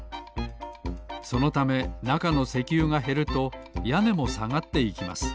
そのためなかの石油がへるとやねもさがっていきます